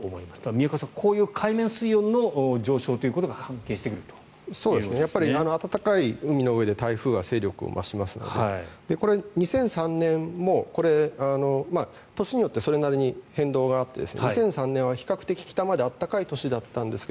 宮川さん、こういう海面水温の上昇ということが暖かい海の上で台風は勢力を増しますのでこれ、２００３年も年によってそれなりに変動があって２００３年は比較的北まで暖かい年だったんですが。